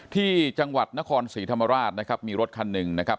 ที่จังหวัดนครศรีธรรมราชนะครับมีรถคันหนึ่งนะครับ